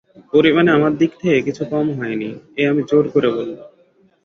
পরিমাণে আমার দিক থেকে কিছু কম হয় নি এ আমি জোর করে বলব।